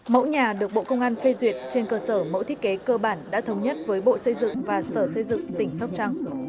mẫu nhà được bộ công an phê duyệt trên cơ sở mẫu thiết kế cơ bản đã thống nhất với bộ xây dựng và sở xây dựng tỉnh sóc trăng